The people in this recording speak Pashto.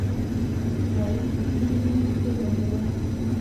ښایست د ښکلي حس زېږنده ده